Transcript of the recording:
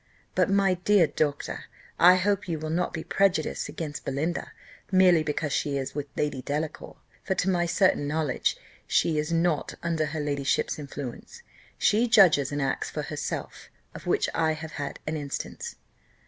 But, my dear doctor, I hope you will not be prejudiced against Belinda, merely because she is with Lady Delacour; for to my certain knowledge, she in not under her ladyship's influence. She judges and acts for herself, of which I have had an instance."